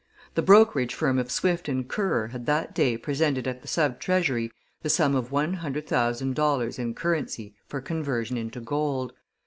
The brokerage firm of Swift & Currer had that day presented at the sub treasury the sum of one hundred thousand dollars in currency for conversion into gold.